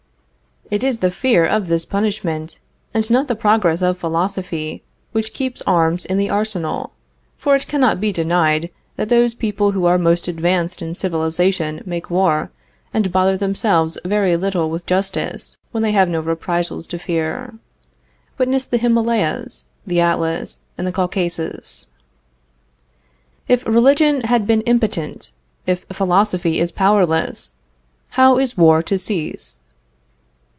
It is the fear of this punishment, and not the progress of philosophy, which keeps arms in the arsenals, for it cannot be denied that those people who are most advanced in civilization make war, and bother themselves very little with justice when they have no reprisals to fear. Witness the Himalayas, the Atlas, and the Caucasus. If religion has been impotent, if philosophy is powerless, how is war to cease?